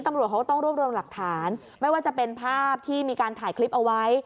ตำรวจเขาก็ต้องรวบรวมหลักฐานไม่ว่าจะเป็นภาพที่มีการถ่ายคลิปเอาไว้